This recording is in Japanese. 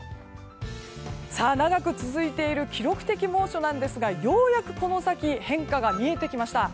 長く続いている記録的猛暑なんですがようやくこの先変化が見えてきました。